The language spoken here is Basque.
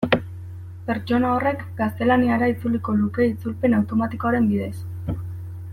Pertsona horrek gaztelaniara itzuliko luke itzulpen automatikoaren bidez.